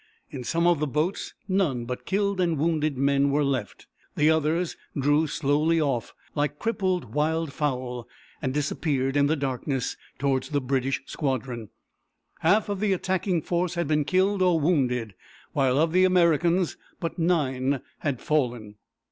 In some of the boats none but killed and wounded men were left. The others drew slowly off, like crippled wild fowl, and disappeared in the darkness toward the British squadron. Half of the attacking force had been killed or wounded, while of the Americans but nine had fallen.